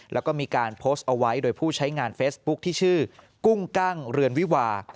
แล้วก็มีการโพสต์เอาไว้โดยผู้ใช้งานเฟซบุ๊คที่ชื่อกุ้งกั้งเรือนวิวา